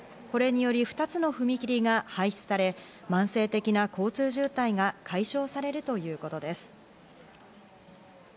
これにより、２つの踏み切りが廃止され、慢性的な交通渋滞が解消されるということです。